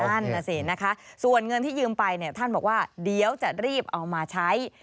นั่นน่ะสินะคะส่วนเงินที่ยืมไปเนี่ยท่านบอกว่าเดี๋ยวจะรีบเอามาใช้